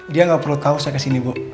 dia gak perlu tau saya kasih ini bu